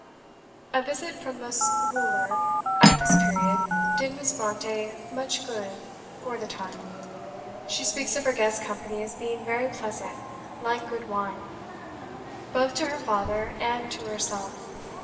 A visit from Miss Wooler at this period did Miss Brontë much good for the time. She speaks of her guest's company as being very pleasant,"like good wine," both to her father and to herself.